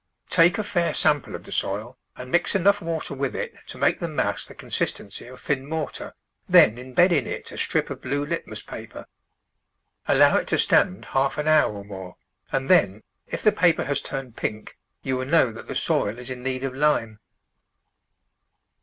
Take a fair sample of the soil and mix enough water with it to make the mass the consistency of thin mortar, then embed in it a strip of blue litmus paper. Allow it to stand half an hour or more, and then, if the paper has turned pink, you will know that the soil is in need of lime.